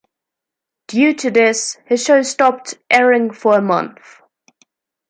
Due to this, his show stopped airing for a month.